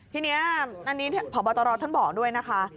ทีนี้อันนี้พบตรท่านบอกด้วยนะคะ